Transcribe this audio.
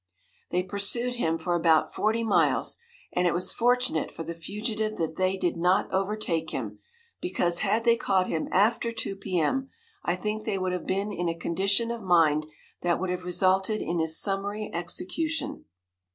They pursued him for about forty miles, and it was fortunate for the fugitive that they did not overtake him, because had they caught him after two p. m., I think they would have been in a condition of mind that would have resulted in his summary execution.